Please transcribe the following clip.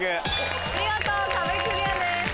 見事壁クリアです。